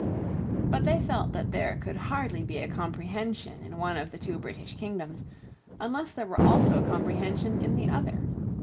But they felt that there could hardly be a Comprehension in one of the two British kingdoms, unless there were also a Comprehension in the other.